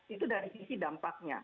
itu dari sisi dampaknya